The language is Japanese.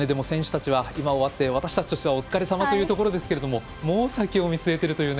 選手たちは今、終わって私たちとしてはお疲れさまというところですがもう先を見据えていると。